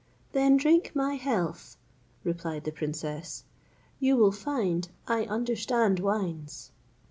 "Then drink my health," replied the princess; "you will find I understand wines."